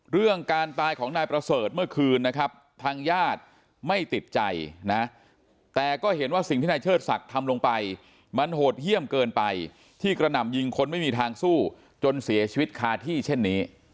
เรื่องการตายของนายประเสริฐเมื่อคืนนะครับทางญาติไม่ติดใจนะแต่ก็เห็นว่าสิ่งที่นายเชิดศักดิ์ทำลงไปมันโหดเยี่ยมเกินไปที่กระหน่ำยิงคนไม่มีทางสู้จนเสียชีวิตคาที่เช่นนี้